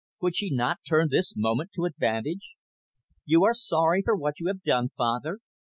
Could she not turn this moment to advantage? "You are sorry for what you have done, father?